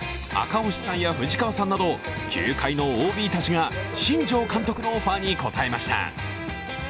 赤星さんや藤川さんなど、球界のＯＢたちが新庄監督のオファーに応えました。